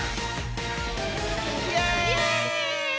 イエーイ！